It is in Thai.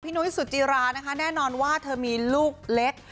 นุ้ยสุจิรานะคะแน่นอนว่าเธอมีลูกเล็ก